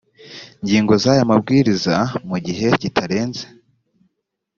ngingo z aya mabwiriza mu gihe kitarenze